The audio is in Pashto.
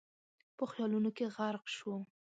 په خيالونو کې غرق شو.